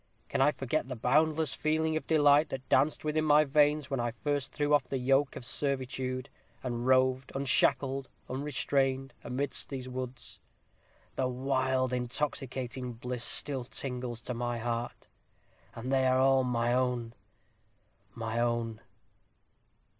Can I forget the boundless feeling of delight that danced within my veins when I first threw off the yoke of servitude, and roved unshackled, unrestrained, amidst these woods? The wild intoxicating bliss still tingles to my heart. And they are all my own my own!